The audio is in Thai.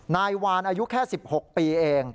นายวานอายุแค่๑๖ปีเอง